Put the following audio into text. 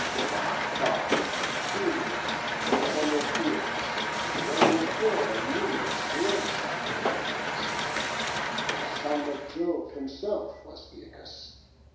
My father Peleus, son of Æacus, Reigns o'er the num'rous race of Myrmidons; The son of Jove himself was Æacus.